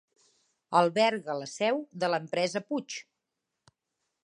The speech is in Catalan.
Alberga la seu de l'empresa Puig.